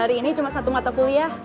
ini cuma satu mata puliah